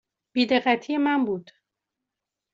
بی دقتی من بود.